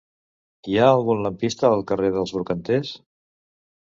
Hi ha algun lampista al carrer dels Brocaters?